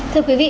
thưa quý vị